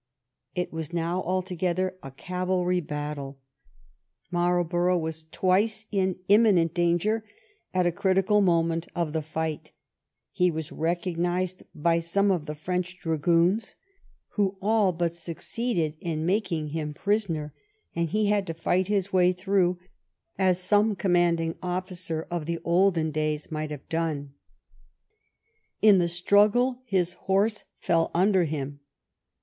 It was now altogether a cavalry battle. Marlborough was twice in immi nent danger at a critical moment of the fight He was recognized by some of the French dragoons, who all but succeeded in making him prisoner, and he had to fight his way through, as some commanding officer of the olden days might have done. In the struggle his horse fell under him.